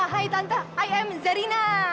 hai tante i am zarina